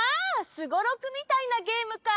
すごろくみたいなゲームか！